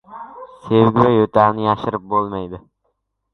• Sevgi va yo‘talni yashirib bo‘lmaydi.